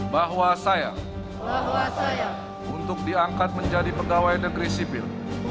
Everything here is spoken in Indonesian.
bahwa saya untuk diangkat menjadi pegawai negeri sipil